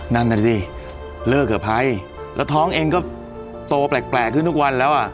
นั่นน่ะสิเลิกกับภัยแล้วท้องเองก็โตแปลกขึ้นทุกวันแล้วอ่ะ